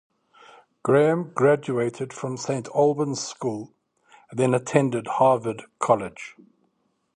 Graham graduated from Saint Albans School and then attended Harvard College.